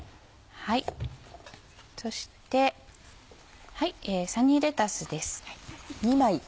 そしてサニーレタスです。